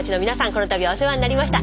このたびはお世話になりました。